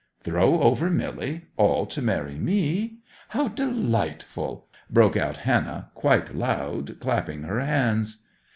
'"Throw over Milly?—all to marry me! How delightful!" broke out Hannah, quite loud, clapping her hands.